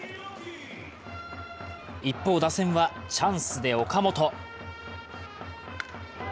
一方、打線はチャンスで岡本。